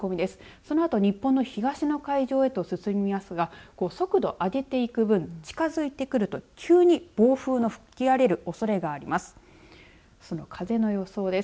そのあと日本の東の海上へと進みますが速度を上げていく分近づいてくると急に暴風の吹き荒れるおそれがあります。